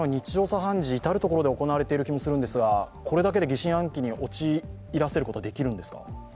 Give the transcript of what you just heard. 茶飯事、至る所で行われている気がするんですが、これだけで疑心暗鬼に陥らせることができるんですか？